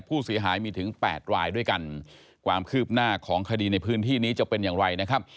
ผู้เสียหายมีถึงแปดรายด้วยกันความคืบหน้าของคดีในพื้นที่นี้จะเป็นอย่างไรนะครับ